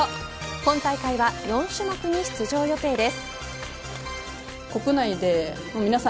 今大会は４種目に出場予定です。